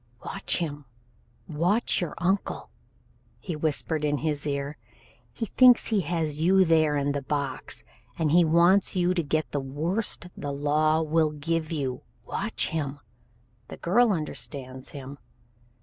"Watch him, watch your uncle," he whispered in his ear. "He thinks he has you there in the box and he wants you to get the worst the law will give you. Watch him! The girl understands him.